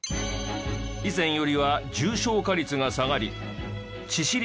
以前よりは重症化率が下がり致死率は